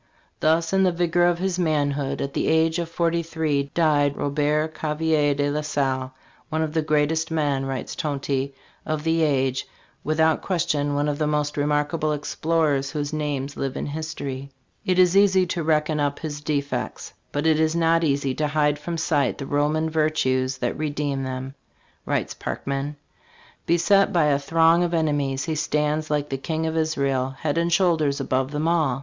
"Thus in the vigor of his manhood, at the age of forty three, died Robert Gavelier de la Salle, ' one of the greatest men,' writes Tonty, 'of the age'; without question one of the most remarkable explorers whose names live in history." "It is easy to reckon up his defects, but it is not easy to hide from sight the Roman virtues that redeemed them," writes Parkman. "Beset by a throng of enemies, he stands, like the King of Isarel, head and shoulders above them all.